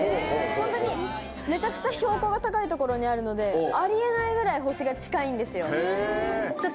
ホントにめちゃくちゃ標高が高い所にあるのであり得ないぐらい星が近いんですよ。